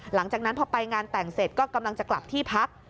หลังจากนั้นพอไปงานแต่งเสร็จก็กำลังจะกลับที่พัก